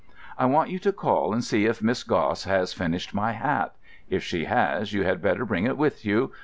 "I want you to call and see if Miss Gosse has finished my hat. If she has, you had better bring it with you.